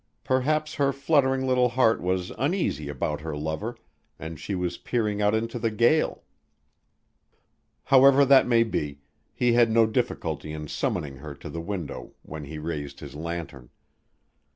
Perhaps her fluttering little heart was uneasy about her lover, and she was peering out into the gale. However that may be, he had no difficulty in summoning her to the window when he raised his lantern.